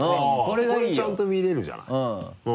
これちゃんと見れるじゃない。